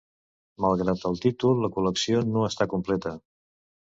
Malgrat el títol, la col·lecció no està completa.